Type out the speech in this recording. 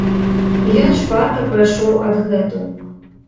І ён шпарка пайшоў адгэтуль.